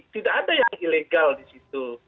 tidak ada yang ilegal di situ